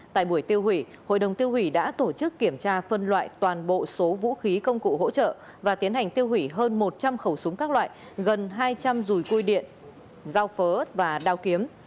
tại buổi tiêu hủy hội đồng tiêu hủy đã tổ chức kiểm tra phân loại toàn bộ số vũ khí công cụ hỗ trợ và tiến hành tiêu hủy hơn một trăm linh khẩu súng các loại gần hai trăm linh rùi cui điện dao phớt và đao kiếm